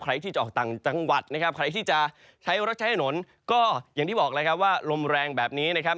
ใครที่จะออกต่างจังหวัดนะครับใครที่จะใช้รถใช้ถนนก็อย่างที่บอกแล้วครับว่าลมแรงแบบนี้นะครับ